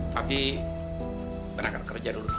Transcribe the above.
tapi benarkan kerja dulu